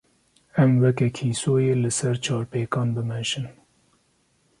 Em weke kîsoyê li ser çarpêkan, bimeşin.